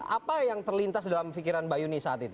apa yang terlintas dalam pikiran mbak yuni saat itu